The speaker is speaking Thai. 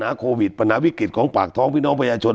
ผนาโควิดปันหาวิกฤตของปากท้องวินองกอยทวชวน